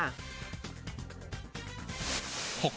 ๖ปีผ่านไป